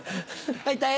はい。